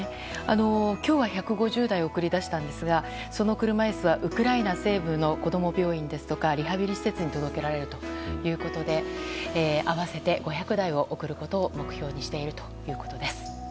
今日は１５０台を送り出しその車椅子はウクライナ西部の子供病院ですとかリハビリ施設に届けられるということで合わせて５００台を送ることを目標にしているということです。